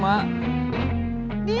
maka gak bisa kabur